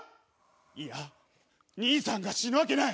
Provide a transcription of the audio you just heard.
いや兄さんが死ぬわけない！